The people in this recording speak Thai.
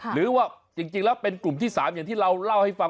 หรือว่าจริงแล้วเป็นกลุ่มที่๓อย่างที่เราเล่าให้ฟัง